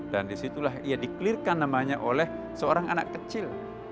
dan disitu lah ia di clearkan namanya oleh seorang anak kecil